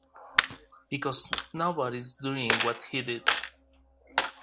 Because nobody's doing what he did.